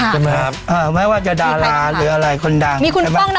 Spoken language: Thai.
ใช่มั้ยครับเอ่อไม่ว่าจะดาราหรืออะไรคนดังได้ไหม